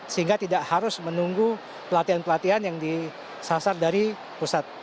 sehingga tidak harus menunggu pelatihan pelatihan yang disasar dari pusat